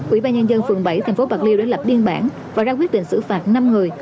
ủy ban nhân dân phường bảy tp bạc liêu đã lập biên bản và ra quyết định xử phạt năm người